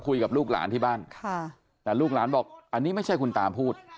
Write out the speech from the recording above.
คุยกับลูกหลานที่บ้านค่ะแต่ลูกหลานบอกอันนี้ไม่ใช่คุณตาพูด